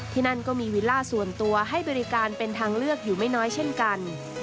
นั่นก็มีวิลล่าส่วนตัวให้บริการเป็นทางเลือกอยู่ไม่น้อยเช่นกัน